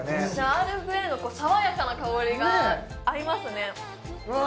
アールグレイの爽やかな香りが合いますねうわ